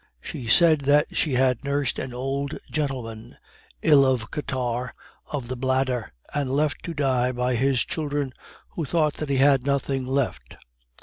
She said that she had nursed an old gentleman, ill of catarrh of the bladder, and left to die by his children, who thought that he had nothing left.